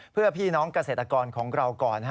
เพื่อพี่น้องเกษตรกรของเราก่อน